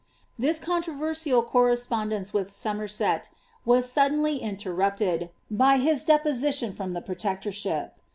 his controversial correspondence with Somerset was suddenly inter Mi, by his deposition from the protectorship.